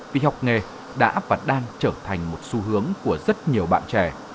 vì học nghề đã và đang trở thành một xu hướng của rất nhiều bạn trẻ